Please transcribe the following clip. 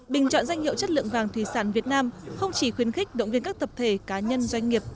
bình chọn danh hiệu chất lượng vàng thủy sản việt nam không chỉ khuyến khích động viên các tập thể cá nhân doanh nghiệp